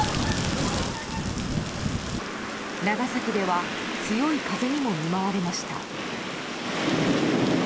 長崎では強い風にも見舞われました。